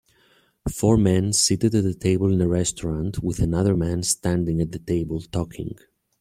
Four men seated at a table in a restaurant with another man standing at the table talking.